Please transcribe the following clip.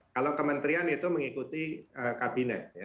kalau kementerian itu mengikuti kabinet